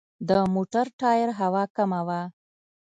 د موټر ټایر هوا کمه وه.